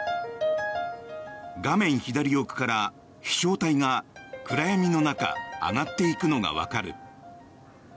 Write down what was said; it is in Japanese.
画面左奥から飛翔体が暗闇の中、上がっていくのがわかる。